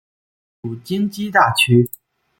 属京畿大区。